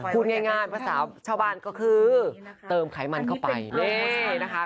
คุณง่ายงานภาสาวชาวบ้านก็คือเติมไขมันเข้ามันค่ะ